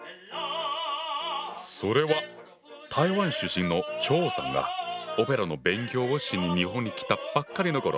それは台湾出身の張さんがオペラの勉強をしに日本に来たばっかりの頃。